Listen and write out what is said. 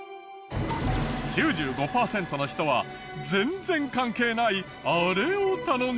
９５パーセントの人は全然関係ないあれを頼んじゃう？